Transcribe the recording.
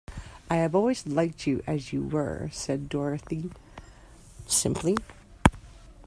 "I have always liked you as you were," said Dorothy, simply.